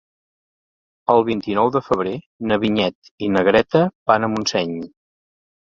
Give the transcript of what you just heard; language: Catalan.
El vint-i-nou de febrer na Vinyet i na Greta van a Montseny.